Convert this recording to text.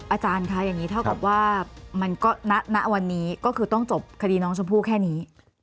อาจารย์คะอย่างนี้เท่ากับว่ามันก็ณวันนี้ก็คือต้องจบคดีน้องชมพู่แค่นี้